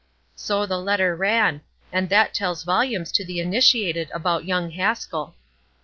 So the letter ran; and that tells volumes to the initiated about young Haskell.